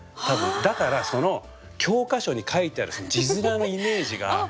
だからその教科書に書いてある字面のイメージが。